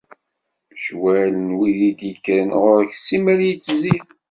Ccwal n wid i d-ikkren ɣur-k, simmal ittzid.